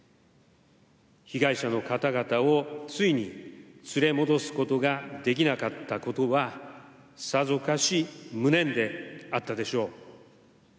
被害者の方々をついに連れ戻すことができなかったことは、さぞかし無念であったでしょう。